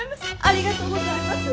ありがとうございます！